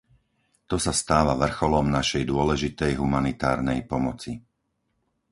To sa stáva vrcholom našej dôležitej humanitárnej pomoci.